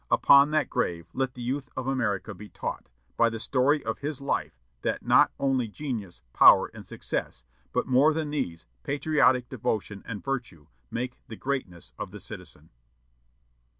Upon that grave let the youth of America be taught, by the story of his life, that not only genius, power, and success, but, more than these, patriotic devotion and virtue, make the greatness of the citizen."